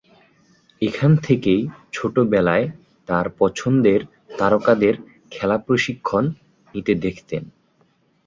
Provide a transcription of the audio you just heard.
এখান থেকেই ছোটবেলায় তার পছন্দের তারকাদের খেলা প্রশিক্ষন নিতে দেখতেন।